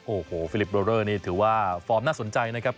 โอ้โหฟิลิปโลเลอร์นี่ถือว่าฟอร์มน่าสนใจนะครับ